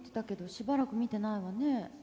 しばらく見てないわね。